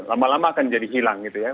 lama lama akan jadi hilang gitu ya